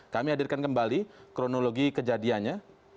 kami hadirkan kembali kronologi kejadiannya